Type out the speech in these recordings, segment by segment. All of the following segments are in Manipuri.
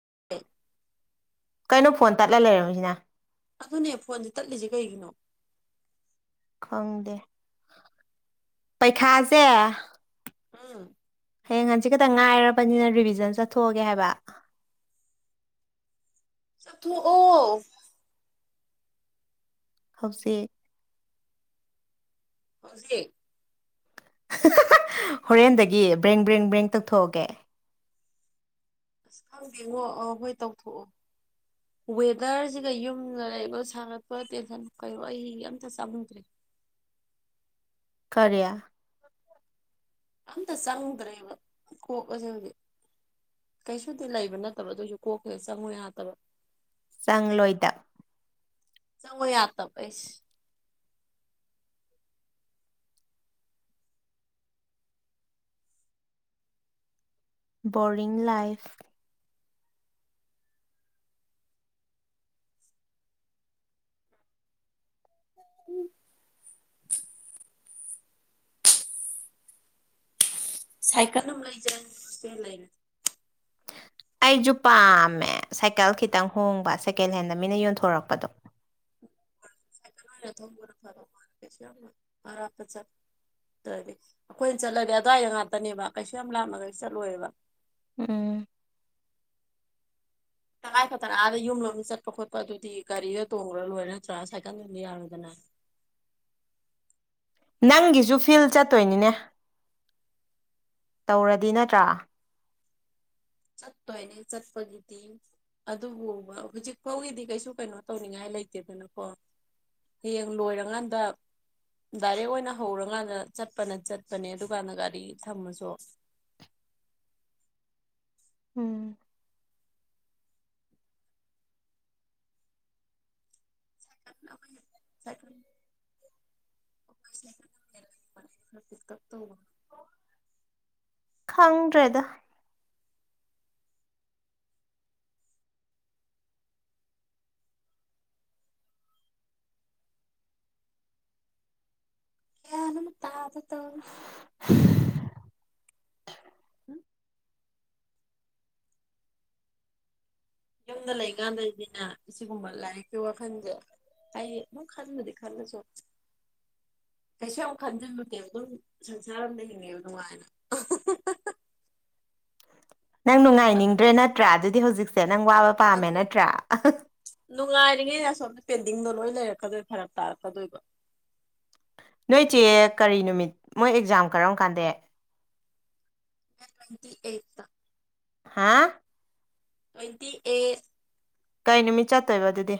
[unintelligible] ꯀꯩꯅꯣ ꯐꯣꯟ ꯇꯠꯂ ꯂꯩꯔꯝꯃꯤꯁꯤꯅ ꯑꯗꯨꯅꯦ ꯐꯣꯟꯁꯦ ꯇꯠꯂꯤꯁꯦ ꯀꯩꯒꯤꯅꯣ ꯈꯪꯗꯦ ꯄꯩꯈꯥꯁꯦ ꯎꯝ ꯍꯌꯦꯡ ꯍꯪꯆꯤꯠ ꯈꯛꯇꯪ ꯉꯥꯏꯔꯕꯅꯤꯅ ꯔꯤꯚꯤꯖꯟ ꯆꯠꯊꯣꯛꯑꯒꯦ ꯍꯥꯏꯕ ꯆꯠꯊꯣ ꯑꯣ ꯍꯧꯖꯤꯛ ꯍꯧꯖꯤꯛ ꯍꯣꯔꯦꯟꯗꯒꯤ ꯕ꯭ꯔꯦꯡ ꯕ꯭ꯔꯦꯡ ꯕ꯭ꯔꯦꯡ ꯇꯧꯊꯣꯛꯑꯒꯦ ꯑꯁ ꯈꯪꯗꯦꯉꯣ ꯑ ꯍꯣꯏ ꯇꯧꯊꯣꯛꯑꯣ ꯋꯦꯗꯔꯁꯤꯒ ꯌꯨꯝꯗ ꯂꯩꯕ ꯁꯥꯒꯠꯄ ꯇꯦꯟꯁꯟ ꯀꯩꯔꯣ ꯑꯩ ꯑꯝꯇ ꯆꯪꯗ꯭ꯔꯦ ꯀꯔꯤ ꯑꯝꯇ ꯆꯪꯗ꯭ꯔꯦꯕ ꯀꯣꯛ ꯑꯁꯤꯃꯗꯤ ꯀꯩꯁꯨꯗꯤ ꯂꯩꯕ ꯅꯠꯇꯕ ꯑꯗꯨꯏꯁꯨ ꯀꯣꯛꯇ ꯆꯪꯉꯨ ꯌꯥꯠꯗꯕ ꯆꯪꯂꯣꯏꯗ ꯆꯪꯉꯣ ꯌꯥꯁꯕꯩ ꯕꯣꯔꯤꯡ ꯂꯥꯏꯐ ꯎꯝ ꯁꯥꯏꯀꯜ ꯑꯃ ꯂꯩꯖꯤꯔ [unintelligible] [unintelligible] ꯑꯩꯖꯨ ꯄꯥꯝꯃꯦ ꯁꯥꯏꯀꯜ ꯈꯤꯇꯪ ꯍꯣꯡꯕ ꯁꯦꯀꯦꯟ ꯍꯦꯟꯗ ꯃꯤꯅ ꯌꯣꯟꯊꯣꯔꯛꯄꯗꯣ ꯁꯥꯏꯀꯜ ꯑꯣꯏꯅ ꯊꯧꯕꯅ ꯐꯗꯧ ꯃꯥꯜꯂꯦ ꯀꯩꯁꯨ ꯌꯥꯝꯅ ꯑꯔꯥꯞꯄ ꯆꯠ [unintelligible] ꯑꯩꯈꯣꯏꯅ ꯆꯠꯂꯗꯤ ꯑ꯭ꯋꯥꯏꯗ ꯉꯥꯛꯇꯅꯦꯕ ꯀꯩꯁꯨ ꯌꯥꯝ ꯂꯥꯞꯄꯅꯒꯗꯤ ꯆꯠꯂꯣꯏꯕ ꯎꯝ ꯇꯉꯥꯏ ꯐꯗꯅ ꯑꯥꯗ ꯌꯨꯝ ꯂꯣꯝꯗ ꯆꯠꯄ ꯈꯣꯠꯄꯗꯨꯗꯤ ꯒꯥꯔꯤꯗ ꯇꯣꯡꯉꯨꯔ ꯂꯣꯏꯔꯦ ꯅꯠꯇ꯭ꯔꯒ ꯁꯥꯏꯀꯜꯗꯗꯤ ꯌꯥꯔꯣꯢꯗꯅ꯫ ꯅꯪꯒꯤꯁꯨ ꯐꯤꯜ ꯆꯠꯇꯣꯏꯅꯤꯅꯦ ꯇꯧꯔꯗꯤ ꯅꯠꯇ꯭ꯔꯥ ꯆꯠ ꯇꯏꯅꯦ ꯆꯠꯄꯒꯤꯇ ꯑꯗꯨꯕꯨ ꯍꯧꯖꯤꯛ ꯐꯥꯎꯒꯤꯗꯤ ꯀꯩꯁꯨ ꯀꯩꯅꯣ ꯇꯧꯅꯤꯡꯉꯥꯏ ꯂꯩꯇꯦꯗꯅꯀꯣ ꯍꯌꯦꯡ ꯂꯣꯏꯔꯀꯥꯟꯗ ꯗꯥꯏꯔꯦꯛ ꯑꯣꯏꯅ ꯍꯧꯔꯀꯥꯟꯗ ꯆꯠꯄꯅ ꯆꯠꯄꯅꯦ ꯑꯗꯨꯀꯥꯟꯗ ꯒꯥꯔꯤ ꯊꯝꯃꯁꯨ ꯕꯎꯝ [inaudible] ꯇꯨ ꯈꯪꯗ꯭ꯔꯦꯗ ꯒꯌ꯭ꯥꯟ ꯑꯝ ꯇꯥꯗꯦ ꯇꯧꯔꯤꯁꯦ ꯎꯝ ꯌꯨꯝꯗ ꯂꯩꯀꯥꯟꯗꯗꯤꯅꯦ ꯁꯤꯒꯨꯝꯕ ꯂꯥꯏꯔꯤꯛꯀꯤ ꯋꯥꯈꯜꯁꯦ ꯑꯩ ꯑꯗꯨꯝ ꯈꯪꯕꯨꯗꯤ ꯈꯜꯁꯨ [inaudible] ꯀꯩꯁꯨ ꯑꯃꯨꯛ ꯈꯟꯖꯤꯜꯂꯨꯗꯦꯕꯟ ꯁꯪꯁꯥꯔ ꯑꯃꯝꯗ ꯍꯤꯡꯉꯦꯕ ꯅꯨꯡꯉꯥꯏꯅ ꯅꯪ ꯑꯗꯨ ꯅꯨꯡꯉꯥꯏꯅꯤꯡꯗ꯭ꯔꯦ ꯅꯠꯇ꯭ꯔꯥ ꯑꯗꯨꯗꯤ ꯍꯧꯖꯤꯛꯁꯦ ꯅꯪ ꯋꯥꯕ ꯄꯥꯝꯃꯦ ꯅꯠꯇ꯭ꯔꯥ ꯅꯨꯡꯉꯥꯏꯔꯤꯉꯩꯗꯁꯣꯝꯗ ꯄꯦꯟꯗꯤꯡꯗꯣ ꯂꯣꯏ ꯂꯩꯔꯛꯀꯗꯣꯏ ꯐꯔꯞ ꯇꯥꯔꯛꯀꯗꯣꯏꯕ ꯅꯣꯏꯁꯦ ꯀꯔꯤ ꯅꯨꯃꯤꯠ ꯃꯣꯏ ꯑꯦꯛꯖꯥꯝ ꯀꯔꯝ ꯀꯥꯟꯗꯦ ꯇ꯭ꯋꯦꯟꯇꯤ ꯑꯩꯠ ꯍꯥ ꯇ꯭ꯋꯦꯟꯇꯤ ꯑꯩꯠ ꯀꯥꯏ ꯅꯨꯃꯤꯠ ꯆꯠꯇꯣꯏꯕ ꯑꯗꯨꯗꯤ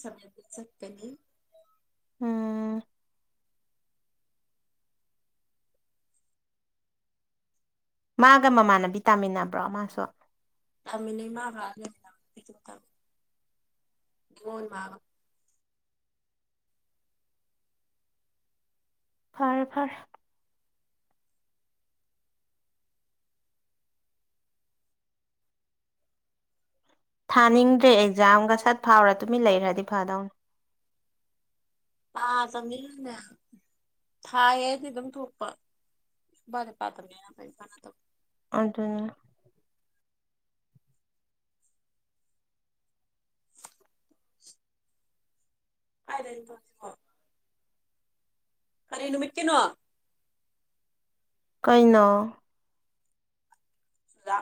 ꯁ ꯆꯛꯇꯅꯤ ꯎꯝ ꯃꯥꯒ ꯃꯃꯥꯟꯅꯕꯤ ꯇꯥꯃꯤꯟꯅꯕ꯭ꯔꯣ ꯃꯥꯁꯨ ꯃꯃꯥ ꯃꯥꯟꯕ ꯐꯔ ꯐꯔ ꯊꯥꯅꯤꯡꯗ꯭ꯔꯦ ꯑꯦꯛꯖꯥꯝꯒ ꯁꯠ ꯐꯥꯎꯔ ꯇꯨꯃꯤꯟ ꯂꯩꯈ꯭ꯔꯗꯤ ꯐꯥꯗꯧꯅꯤ ꯑꯥ ꯆꯃꯤꯅꯦ ꯊꯥꯏꯗꯤ ꯑꯗꯨꯝ ꯊꯣꯛꯄ ꯔꯦ ꯄꯠꯇꯔꯅꯦꯦꯅ ꯄ ꯐꯅꯠꯇ ꯑꯗꯨ ꯍꯥꯏꯗ ꯀꯔꯤ ꯅꯨꯃꯤ ꯀꯅꯣ ꯀꯩꯅꯣ ꯂ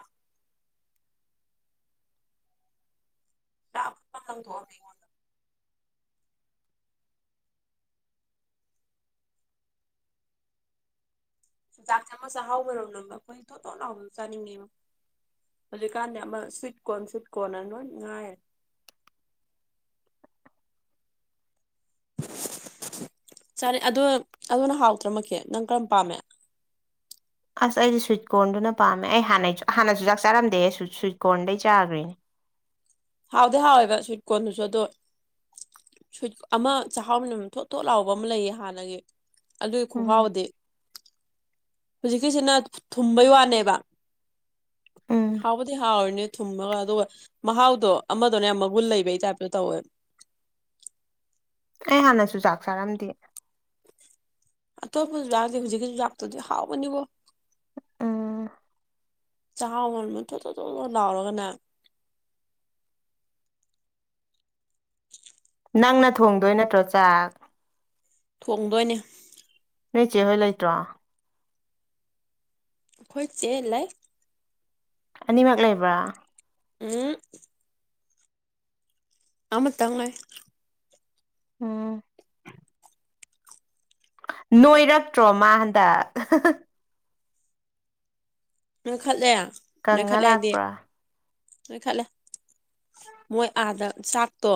ꯇ ꯅ ꯊ ꯆꯥꯛ ꯊꯥ ꯃꯁ ꯍꯥꯎꯕꯔꯣ ꯅꯪ ꯑꯩꯣꯏ ꯊꯣꯛ ꯇꯧꯅꯥꯎꯗ ꯆꯥꯅꯤꯡꯉꯕ ꯍꯧꯖꯤꯛꯀꯥꯟꯗꯤ ꯑꯃ ꯁ꯭ꯋꯤꯠ ꯀꯣꯟ ꯁ꯭ꯋꯤꯠ ꯀꯣꯟꯅꯣꯏ ꯉꯥꯏꯔ [inaudible] ꯆꯅꯤ ꯑꯗꯨ ꯑꯗꯨꯅ ꯍꯥꯎꯇ꯭ꯔꯃꯛꯀꯦ ꯅꯪ ꯀꯔꯝ ꯄꯥꯝꯃꯦ ꯑꯁ ꯑꯩꯗꯤ ꯁ꯭ꯋꯤꯠ ꯀꯣꯔꯟꯗꯨꯅ ꯄꯥꯝꯃꯦ ꯑꯩ ꯍꯥꯟꯅꯩ ꯍꯥꯟꯅꯁꯨꯨ ꯆꯥꯛ ꯆꯥꯔꯝꯗꯦ ꯑꯩ ꯁ꯭ꯋꯤꯠ ꯀꯣꯔꯟꯗꯩ ꯆꯥꯈ꯭ꯔꯤꯅꯦ ꯍꯥꯎꯗꯤ ꯍꯥꯎꯋꯦꯕ ꯁꯨꯠ ꯀꯣꯟꯗꯨꯁꯨ ꯑꯗꯨꯣ ꯁꯨ ꯑꯃ ꯆꯍꯥꯎꯃꯤꯟꯅ ꯊꯣꯠ ꯊꯣꯠ ꯂꯥꯎꯕ ꯑꯃ ꯂꯩꯌꯦ ꯍꯥꯟꯅꯒꯤ ꯑꯂ ꯑꯩ ꯈꯨ ꯎꯝ ꯍꯥꯎꯗꯦ ꯍꯧꯖꯤꯛꯀꯤꯁꯤꯅ ꯊꯨꯝꯕꯩ ꯋꯥꯅꯦꯕ ꯎꯝ ꯍꯥꯎꯕꯗꯤ ꯍꯥꯎꯣꯏꯅꯦ ꯊꯨꯝꯃꯒ ꯑꯗꯨꯒ ꯃꯍꯥꯎꯗꯣ ꯑꯃꯗꯅꯦ ꯌꯥꯝ ꯃꯒꯨꯟ ꯂꯩꯕꯩ ꯇꯥꯏꯞꯇꯣ ꯇꯧꯋꯦ ꯑꯩ ꯍꯥꯟꯅꯁꯨ ꯆꯥꯛ ꯆꯥꯔꯝꯗꯦ ꯑꯇꯣꯞꯄꯁꯨ ꯂꯥꯛꯑꯦ ꯍꯧꯖꯤꯛꯀꯤꯁꯨ ꯂꯥꯛꯇꯗꯤ ꯍꯥꯎꯕꯅꯤꯕꯣ ꯑꯥ ꯆ ꯊꯂ ꯂꯥꯎꯔꯒꯅꯦ [unintelligible] ꯅꯪꯅ ꯊꯣꯡꯗꯣꯏ ꯅꯠꯇ꯭ꯔꯣ ꯆꯥꯛ ꯊꯣꯡꯗꯣꯏꯅꯦ ꯅꯣꯏ ꯏꯆꯦ ꯍꯣꯏ ꯂꯩꯇ꯭ꯔꯣ ꯈꯣꯏꯁꯦꯂ ꯑꯅꯤꯃꯛ ꯂꯩꯕ꯭ꯔꯥ ꯎꯝ ꯑꯃ ꯇꯉꯦ ꯎꯝ ꯅꯣꯏꯔꯛꯇ꯭ꯔꯣ ꯃꯥ ꯍꯟꯗ ꯑꯪ ꯈꯜꯂꯦ ꯀꯪꯉ ꯂꯥꯛꯄ꯭ꯔꯥ ꯅꯣꯏ ꯈꯜꯂꯦ ꯃꯣꯏ ꯑꯥꯗ ꯆꯥꯛꯇꯣ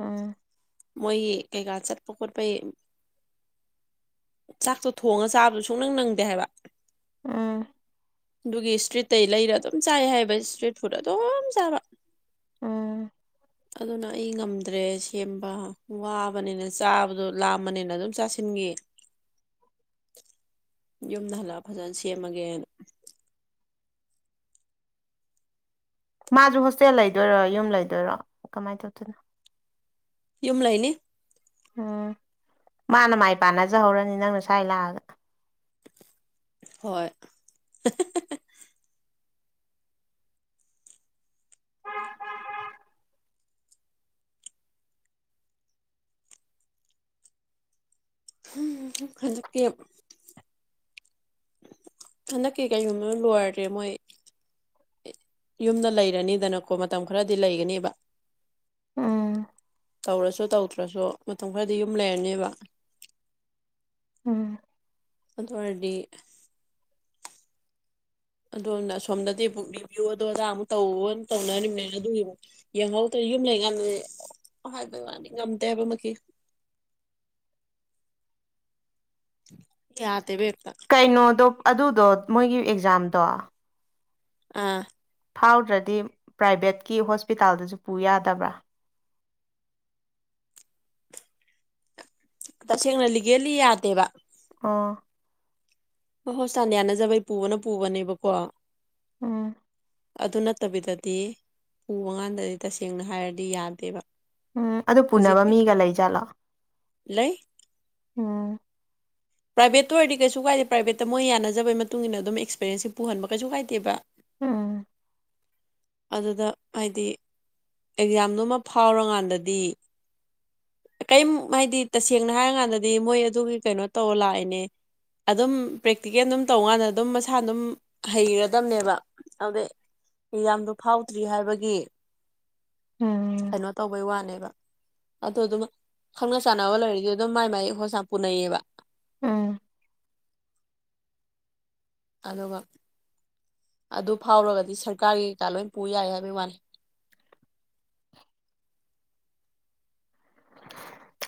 ꯑꯥ ꯃꯣꯏ ꯀꯩꯀꯥ ꯆꯠꯄ ꯀꯠꯄ ꯆꯥꯛꯇꯣ ꯊꯣꯡꯉ ꯆꯥꯕꯗꯨ ꯁꯨꯡ ꯅꯪ ꯅꯪꯗꯦ ꯍꯥꯏꯕ ꯎꯝ ꯑꯗꯨꯒꯤ ꯏꯁꯇ꯭ꯔꯤꯠꯇꯇꯩ ꯂꯩꯔ ꯑꯗꯨꯝ ꯆꯥꯏ ꯍꯥꯏꯕ ꯏꯁꯇ꯭ꯔꯤꯠ ꯐꯨꯗ ꯑꯗꯨꯝ ꯆꯥꯕ ꯎꯝ ꯑꯗꯨꯅ ꯑꯩ ꯉꯝꯗ꯭ꯔꯦ ꯁꯦꯝꯕ ꯋꯥꯕꯅꯤꯅ ꯆꯥꯕꯗꯣ ꯂꯥꯝꯕꯅꯤꯅ ꯑꯗꯨꯝ ꯆꯥꯁꯤꯟ ꯌꯦ [unintelligible] ꯌꯨꯝꯗ ꯍꯜꯂ ꯐꯖꯅ ꯁꯦꯝꯃꯒꯦꯅ ꯃꯥꯁꯨ ꯍꯣꯁꯇꯦꯜ ꯂꯩꯗꯣꯏꯔꯣ ꯌꯨꯝ ꯂꯩꯗꯣꯏꯔꯣ ꯀꯃꯥꯏꯅ ꯇꯧꯗꯣꯏꯅꯣ ꯌꯨꯝ ꯂꯩꯅꯦ ꯎꯝ ꯃꯥꯅ ꯃꯥꯏ ꯄꯥꯟꯅꯖꯍꯧꯔꯅꯤ ꯅꯪꯅ ꯁ꯭ꯋꯥꯏ ꯂꯥꯛꯑꯒ ꯍꯣꯏ ꯎꯝ ꯈꯂꯛꯇ ꯍꯟꯗꯛꯀꯤ ꯀꯔꯤꯒꯨꯝꯕ ꯂꯣꯏꯔꯗ꯭ꯔꯦ ꯃꯣꯏ ꯌꯨꯝꯗ ꯂꯩꯔꯅꯤꯗꯅꯀꯣ ꯃꯇꯝ ꯈꯔꯗꯤ ꯂꯩꯒꯅꯦꯕ ꯎꯝ ꯇꯧꯔꯁꯨ ꯇꯧꯗ꯭ꯔꯁꯨ ꯃꯇꯝ ꯈꯔꯗꯤ ꯌꯨꯝ ꯂꯩꯔꯅꯦꯕ ꯎꯝ ꯀ ꯑꯗꯣꯝꯅ ꯁꯣꯝꯗꯗꯤ ꯄꯨꯛ ꯄꯕꯤꯌꯣꯗꯣ ꯑꯣꯖ ꯑꯃꯨꯛ ꯇꯧꯅ ꯇꯧꯅꯔꯤꯕꯃꯤꯅꯦꯅ ꯑꯗꯨꯒꯤꯨ ꯌꯦꯡꯍꯧꯗꯣꯏ ꯌꯨꯝ ꯂꯩꯔꯤꯀꯥꯟꯗꯗꯤ ꯍꯥꯏꯕ ꯋꯥꯅꯤ ꯉꯝꯗꯦ ꯍꯥꯏꯕꯃ [unintelligible] ꯌꯥ ꯇꯦꯕ ꯀꯩꯅꯣꯗꯣ ꯑꯗꯨꯗꯣ ꯃꯣꯏꯒꯤ ꯑꯦꯛꯖꯥꯝꯗꯣ ꯑꯥ ꯐꯥꯎꯗ꯭ꯔꯗꯤ ꯄ꯭ꯔꯥꯏꯚꯦꯠꯀꯤ ꯍꯣꯁꯄꯤꯇꯥꯜꯗꯁꯨ ꯄꯨ ꯌꯥꯗꯕ꯭ꯔꯥ ꯇꯁꯦꯡꯅ ꯂꯤꯒꯦꯜꯂꯤ ꯌꯥꯗꯦꯕ ꯑꯥ ꯑ ꯍꯣ ꯁꯥꯟ ꯌꯥꯅꯖꯕꯩ ꯄꯨꯕꯅ ꯄꯨꯕꯅꯦꯕꯀꯣ ꯎꯝ ꯑꯗꯨ ꯅꯠꯇꯕꯤꯗꯗꯤ ꯎꯕꯀꯥꯟꯗꯗꯤ ꯇꯁꯦꯡꯅ ꯍꯥꯏꯔꯗꯤ ꯌꯥꯗꯦꯕ ꯎꯝ ꯑꯗꯨ ꯄꯨꯅꯕ ꯍꯧꯖꯤꯛꯀꯤ ꯃꯤꯒ ꯂꯩꯖꯠꯂꯣ ꯂꯩ ꯑꯝ ꯄ꯭ꯔꯥꯏꯚꯦꯠꯇ ꯑꯣꯏꯔꯗꯤ ꯀꯩꯁꯨ ꯀꯥꯏꯗꯦ ꯄ꯭ꯔꯥꯏꯚꯦꯠꯇ ꯃꯣꯏ ꯌꯥꯅꯖꯕꯩ ꯃꯇꯨꯡ ꯏꯟꯅ ꯑꯗꯨꯝ ꯑꯦꯛꯁꯄꯤꯔꯦꯟꯁꯁꯦ ꯄꯨꯍꯟꯕ ꯀꯩꯁꯨ ꯀꯥꯏꯗꯦꯕ ꯎꯝ ꯑꯗꯨꯗ ꯍꯥꯏꯗꯤ ꯑꯦꯛꯖꯥꯝꯗꯨꯃ ꯐꯥꯎꯔꯀꯥꯟꯗꯗꯤ ꯀꯔꯤꯝ ꯍꯥꯏꯗꯤ ꯇꯁꯦꯡꯅ ꯍꯥꯏꯔꯀꯥꯟꯗꯗꯤ ꯃꯣꯏ ꯑꯗꯨꯒꯤ ꯀꯩꯅꯣ ꯇꯧ ꯂꯥꯛꯏꯦꯅꯦ ꯑꯗꯨꯝ ꯄ꯭ꯔꯦꯛꯇꯤꯀꯦꯜ ꯑꯗꯨꯝ ꯇꯧꯀꯥꯟꯗ ꯑꯗꯨꯝ ꯃꯁꯥ ꯑꯗꯨꯝ ꯍꯩꯒꯗꯝꯕꯅꯦꯕ ꯑꯗꯨꯗꯩ ꯌꯥꯝꯗꯣ ꯐꯥꯎꯗ꯭ꯔꯤ ꯍꯥꯏꯕꯒꯤ ꯎꯝ ꯀꯩꯅꯣ ꯇꯧꯕꯩ ꯋꯥꯅꯤ ꯑꯗꯨ ꯑꯗꯨꯝ ꯈꯪꯅ ꯆꯥꯟꯅꯕ ꯂꯩꯔꯗꯤ ꯑꯗꯨꯝ ꯃꯥꯏ ꯃꯥꯏ ꯍ ꯄꯨꯅꯩꯌꯦꯕ ꯑꯥ ꯑꯗꯨꯒꯕ ꯑꯗꯨ ꯐꯥꯎꯔꯒꯗꯤ ꯁꯔꯀꯥꯔꯒꯤ ꯀꯩꯀꯥ ꯂꯣꯏ ꯄꯨ ꯌꯥꯏ ꯍꯥꯏꯕꯩ ꯋꯥꯅꯤ [unintelligible]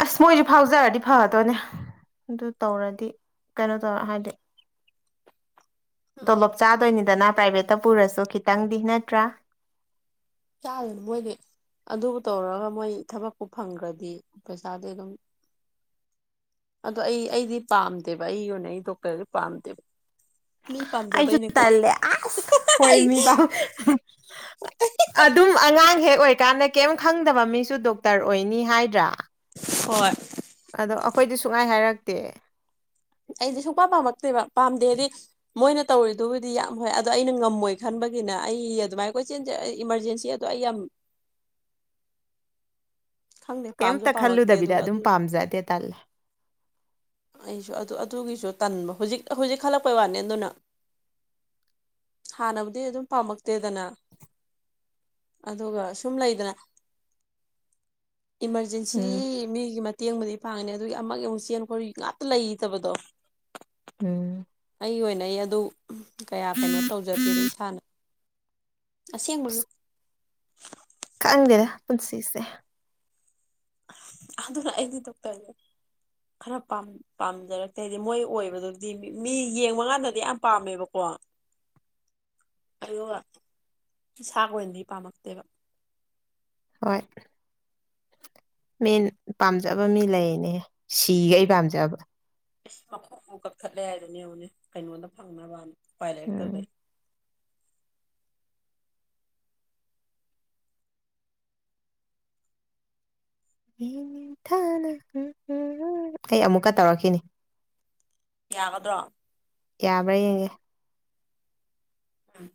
ꯑꯁ ꯃꯣꯏꯁꯨ ꯐꯥꯎꯖꯔꯗꯤ ꯐꯒꯗꯣꯏꯅꯦ ꯑꯗꯨ ꯇꯧꯔꯗꯤ ꯀꯩꯅꯣ ꯇꯧꯔ ꯍꯥꯏꯗꯤ ꯇꯣꯂꯣꯞ ꯆꯥꯗꯣꯏꯅꯤꯗꯅ ꯄ꯭ꯔꯥꯏꯚꯦꯠꯇ ꯄꯨꯔꯁꯨ ꯈꯤꯇꯪꯗꯤ ꯅꯠꯇ꯭ꯔꯥ ꯆꯂ ꯃꯒꯦ ꯑꯗꯨꯕꯨ ꯇꯧꯔꯒ ꯃꯣꯏ ꯊꯕꯛꯄꯨ ꯐꯪꯈ꯭ꯔꯗꯤ ꯄꯩꯁꯥꯗꯤ ꯑꯗꯨꯝ ꯑꯗꯣ ꯑꯩ ꯑꯩꯗꯤ ꯄꯥꯝꯗꯦꯕ ꯑꯩ ꯑꯣꯏꯅ ꯑꯩ ꯗꯣꯛꯇꯔꯗꯤ ꯄꯥꯝꯗꯦꯕ ꯃꯤ ꯑꯩꯁꯨ ꯄꯥꯝꯖꯕꯩꯅꯦꯀꯣ ꯇꯥꯏꯂꯦ ꯑꯁ ꯑꯩ ꯍꯃꯤ ꯄꯥꯎ ꯑꯗꯨꯝ ꯑꯉꯥꯡ ꯍꯦꯛ ꯑꯣꯏꯀꯥꯟꯗ ꯀꯩꯝ ꯈꯪꯗꯕ ꯃꯤꯁꯨ ꯗꯣꯛꯇꯔ ꯑꯣꯏꯅꯤ ꯍꯥꯏꯗ꯭ꯔꯥ ꯍꯣꯏ ꯑꯗꯣ ꯑꯩꯈꯣꯏꯗꯤ ꯁꯨꯡꯉꯥꯏ ꯍꯥꯏꯔꯛꯇꯦ ꯑꯩꯗꯤ ꯁꯨꯡꯄꯥ ꯄꯥꯝꯃꯛꯇꯦꯕ ꯄꯥꯝꯗꯦꯗꯤ ꯃꯣꯏꯅ ꯇꯧꯔꯤꯗꯨꯕꯨꯗꯤ ꯌꯥꯝ ꯍꯣꯏ ꯑꯗꯣ ꯑꯩꯅ ꯉꯝꯃꯣꯏ ꯈꯟꯕ ꯑꯃꯒꯤꯅ ꯑꯩ ꯑꯗꯨꯃꯥꯏ ꯀꯣꯏ ꯏꯃꯥꯔꯖꯦꯟꯁꯤ ꯑꯗꯣ ꯑꯩ ꯌꯥꯝ [unintelligible] ꯈꯪꯗꯦ ꯄꯥꯝꯁꯨ ꯀꯩꯝꯇ ꯄꯥꯝꯃꯛꯇꯦ ꯈꯜꯂꯨꯗꯕꯤꯗ ꯑꯗꯨꯒ ꯑꯗꯨꯝ ꯑꯗꯨꯁꯨ ꯄꯥꯝꯖꯗꯦ ꯇꯜꯂꯦ ꯑꯩꯁꯨ ꯑꯗꯨ ꯑꯗꯨꯒꯤꯁꯨ ꯇꯟꯕ ꯍꯧꯖꯤꯛ ꯍꯧꯖꯤꯛ ꯈꯜꯂꯛꯄꯩ ꯋꯥꯅꯤ ꯑꯗꯨꯅ ꯍꯥꯟꯅꯕꯨꯗꯤ ꯑꯗꯨꯝ ꯄꯥꯝꯃꯛꯇꯦꯗꯅ ꯑꯗꯨꯒ ꯁꯨꯝ ꯂꯩꯗꯅ ꯏꯃꯥꯔꯖꯦꯟꯁꯤ ꯎꯝ ꯃꯤꯒꯤ ꯃꯇꯦꯡꯕꯨꯗꯤ ꯐꯥꯡꯉꯅꯤ ꯑꯗꯨꯒꯤ ꯑꯃꯛ ꯌꯦꯡꯉꯨꯛ ꯆꯦꯟ ꯈ ꯉꯥꯛꯇ ꯂꯩꯇꯕꯗꯣ ꯎꯝ ꯑꯩꯒꯤ ꯑꯣꯏꯅ ꯑꯩ ꯑꯗꯨ ꯀꯌꯥ ꯀꯩꯅꯣ ꯇꯧꯖꯗꯦꯕ ꯏꯁꯥꯅ ꯑꯁꯦꯡ ꯃꯅꯣ ꯈꯪꯍꯟꯗꯦꯔ ꯄꯨꯟꯁꯤꯁꯦ ꯑꯗꯨꯗꯅꯗꯤ ꯇꯄꯦ ꯈꯔ ꯄꯥꯝꯖꯔꯛꯇꯦꯗꯤ ꯃꯣꯏ ꯑꯣꯏꯕꯗꯨꯗꯤ ꯃꯤ ꯌꯦꯡꯕꯀꯥꯟꯗꯗꯤ ꯌꯥꯝ ꯄꯥꯝꯃꯦꯕꯀꯣ [unintelligible] ꯑꯗꯨꯒ ꯁꯛ ꯑꯣꯏꯅꯥꯗꯤ ꯄꯝꯂꯛꯇꯦꯕꯥ ꯍꯣꯏ ꯃꯦꯟ ꯄꯥꯝꯖꯕ ꯃꯤ ꯂꯩꯅꯦ ꯁꯤꯒ ꯑꯩ ꯄꯥꯝꯖꯕ ꯑꯦ ꯃꯈꯣꯡ ꯀꯛꯊꯠꯂꯦ ꯍꯥꯏꯗꯨꯅꯦꯕꯅꯦ ꯀꯩꯅꯣꯟꯗ ꯐꯪꯅꯕ ꯎꯄꯥꯏ ꯎꯝ ꯂꯩꯔꯛꯇꯧꯗꯩ ꯑꯩ ꯑꯃꯨꯛꯀ ꯇꯧꯔꯛꯈꯤꯅꯤ ꯌꯥꯒꯗ꯭ꯔꯣ ꯌꯥꯕ꯭ꯔꯥ ꯌꯦꯡꯉꯦ ꯎꯝ